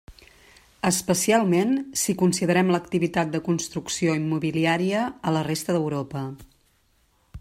Especialment si considerem l'activitat de construcció immobiliària a la resta d'Europa.